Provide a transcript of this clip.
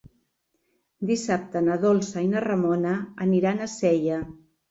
Dissabte na Dolça i na Ramona aniran a Sella.